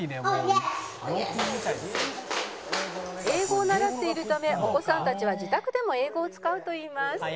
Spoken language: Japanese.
「英語を習っているためお子さんたちは自宅でも英語を使うといいます」